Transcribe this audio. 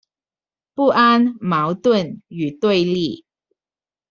不安、矛盾、與對立